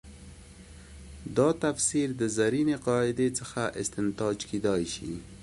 دا تفسیر د زرینې قاعدې څخه استنتاج کېدای شي.